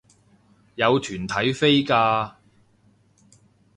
有團體飛價